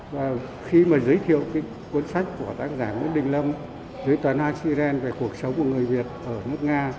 và khi mà giới thiệu cái cuốn sách của tác giả nguyễn đình lâm với toàn hà siren về cuộc sống của người việt ở nước nga